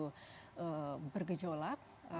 jadi mereka bergejolak